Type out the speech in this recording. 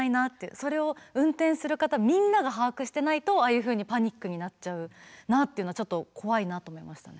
それを運転する方みんなが把握してないとああいうふうにパニックになっちゃうなっていうのはちょっと怖いなと思いましたね。